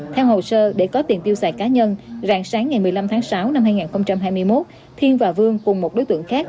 theo hồ sơ để có tiền tiêu xài cá nhân rạng sáng ngày một mươi năm tháng sáu năm hai nghìn hai mươi một thiên và vương cùng một đối tượng khác